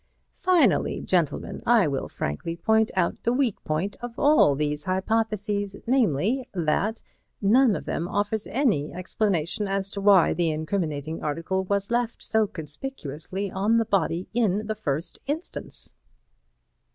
"Finally, gentlemen, I will frankly point out the weak point of all these hypotheses, namely: that none of them offers any explanation as to why the incriminating article was left so conspicuously on the body in the first instance."